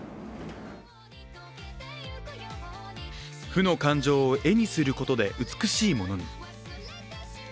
負の感情を絵にすることで、美しいものに。